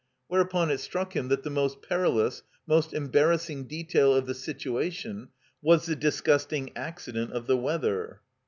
Whereupon it struck him that the most perilous, most embarrassing detail of the situation was the disgusting accident of the weather.